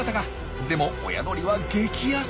でも親鳥は激ヤセ！